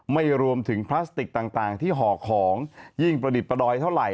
ไม่รวมถึงพลาสติกต่างที่ห่อของยิ่งประดิษฐประดอยเท่าไหร